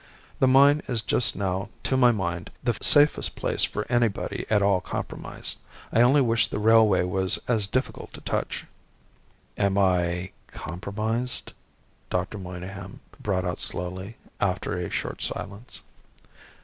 The mine is just now, to my mind, the safest place for anybody at all compromised. I only wish the railway was as difficult to touch." "Am I compromised?" Doctor Monygham brought out slowly after a short silence.